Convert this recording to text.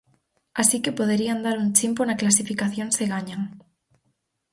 Así que poderían dar un chimpo na clasificación se gañan.